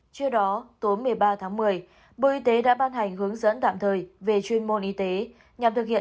trước đó tối một mươi ba tháng một mươi bộ y tế đã ban hành hướng dẫn tạm thời về chuyên môn y tế nhằm thực hiện